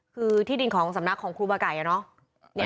คือที่ดินของสำนักของครูบาไก่อะเนาะ